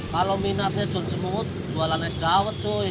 kalau minatnya john semut jualan es dawet cuy